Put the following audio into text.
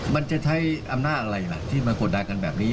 มันจะใช้อำนาจอะไรล่ะที่มากดดันกันแบบนี้